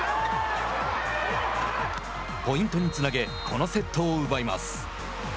ポイントにつなげこのセットを奪います。